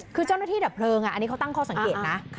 คือเจ้าหน้าที่ดับเพลิงอันนี้เขาตั้งข้อสังเกตนะ